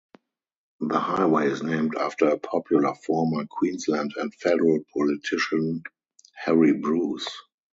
The highway is named after a popular former Queensland and federal politician, Harry Bruce.